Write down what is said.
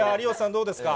どうですか。